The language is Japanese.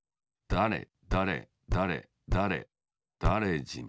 だれだれだれだれだれじん。